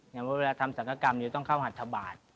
อย่างเวลาทำศักระกรรมจะต้องเข้าหัทธบาท